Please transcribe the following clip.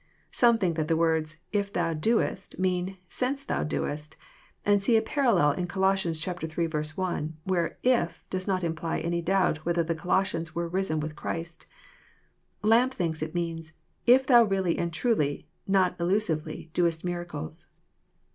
Some think that the words '^IfThon doest," mean *' since Thou doest," and see a parallel in Coloss. iii. 1, — where if" does not imply any doubt whether the Colossiaus were *' risen with Christ." Lampe thinks it means, *Mf Thou really and' truly, not illusively, doest miracles."